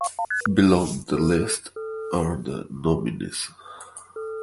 Below the list are the nominees.